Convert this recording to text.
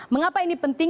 mengapa ini penting